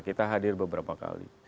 kita hadir beberapa kali